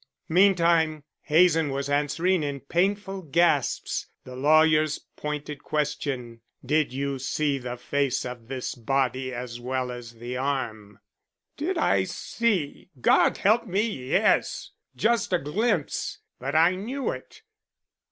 Meantime, Hazen was answering in painful gasps the lawyer's pointed question, "Did you see the face of this body as well as the arm?" "Did I see God help me, yes. Just a glimpse, but I knew it.